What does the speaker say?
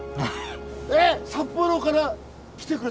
えっ！札幌から来てくれたの？